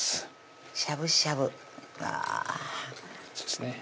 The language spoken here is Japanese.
しゃぶしゃぶあぁそうですね